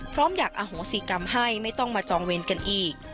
พร้อมอยากอโหสิกรรมให้ไม่ต้องมาจองเวรกันอีก